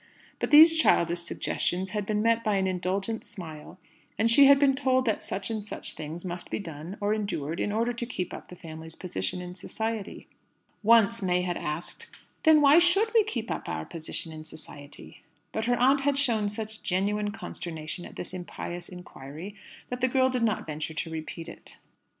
But these childish suggestions had been met by an indulgent smile; and she had been told that such and such things must be done or endured in order to keep up the family's position in society. Once May had asked, "Then why should we keep up our position in society?" But her aunt had shown such genuine consternation at this impious inquiry, that the girl did not venture to repeat it.